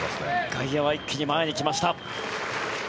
外野は一気に前に来ました。